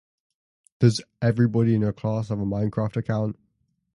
Does everybody in your class have a Minecraft account?